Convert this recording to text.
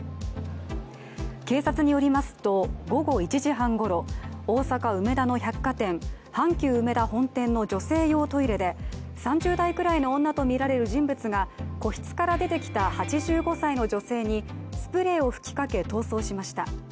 警察によりますと、午後１時半ごろ大阪・梅田の百貨店、阪急うめだ本店の女性用トイレで３０代くらいの女とみられる人物が個室から出てきた８５歳の女性にスプレーを吹きかけ、逃走しました。